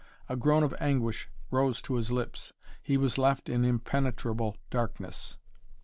A groan of anguish rose to his lips. He was left in impenetrable darkness.